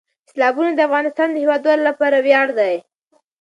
سیلابونه د افغانستان د هیوادوالو لپاره ویاړ دی.